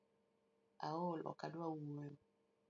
Aol ok adua wuoyo